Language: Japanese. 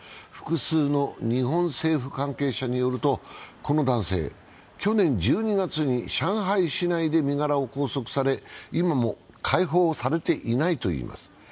複数の日本政府関係者によると、この男性、去年１２月に上海市内で身柄を拘束され今も解放されていないといいます